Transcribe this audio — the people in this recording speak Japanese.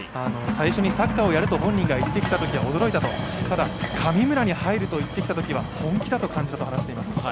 最初にサッカーをやると本人が言ってきたときは驚いたとただ、神村に入るといってきたときは本気だと感じたといいます。